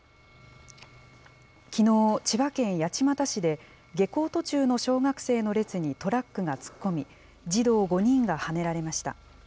きのう、千葉県八街市で、下校途中の小学生の列にトラックが突っ込み、児童５人がはねられました。